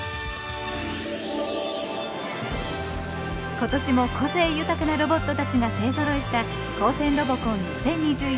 今年も個性豊かなロボットたちが勢ぞろいした「高専ロボコン２０２１